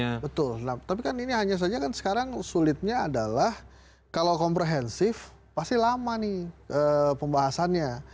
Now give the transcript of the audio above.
betul tapi kan ini hanya saja kan sekarang sulitnya adalah kalau komprehensif pasti lama nih pembahasannya